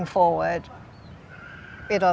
akan berjalan ke depan